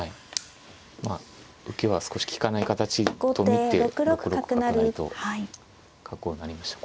まあ受けは少し利かない形と見て６六角成と角を成りました。